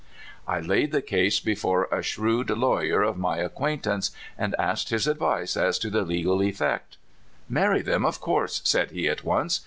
I laid the case before a shrewd lawyer of my CALIKOKMA \\l :i)I)IN(js. ^qq acquaintance, and asked his advice as to tlie le^ral effect. ^ Marry them, of course," said he at once.